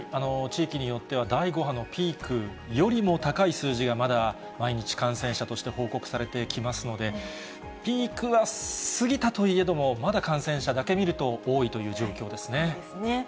地域によっては第５波のピークよりも高い数字がまだ、毎日感染者として報告されてきますので、ピークは過ぎたと言えども、まだ感染者だけ見ると多いという状況ですね。